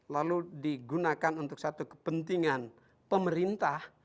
lalu digunakan untuk satu kepentingan pemerintah